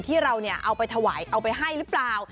ที่เราเอาไปถวายเอาไปให้หรือเปล่า